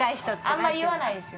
あんまり言わないです